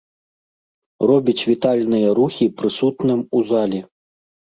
Робіць вітальныя рухі прысутным у залі.